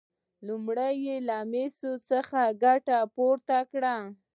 لومړی یې له مسو څخه ګټه پورته کړه.